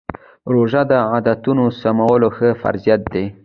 روژه د عادتونو سمولو ښه فرصت دی.